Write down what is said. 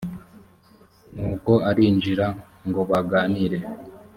nuko arinjira ngobaganire